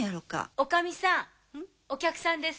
女将さんお客さんです。